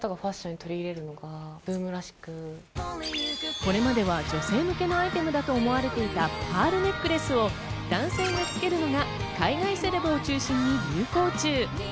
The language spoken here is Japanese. これまでは女性向けのアイテムだと思われていたパールネックレスを男性がつけるのが海外セレブを中心に流行中。